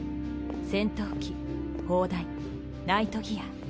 戦闘機砲台ナイトギア。